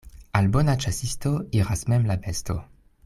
Al bona ĉasisto iras mem la besto.